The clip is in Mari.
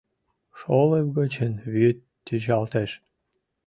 Шолып гычын вӱд тӱчалтеш